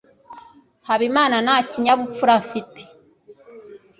habimana nta kinyabupfura afite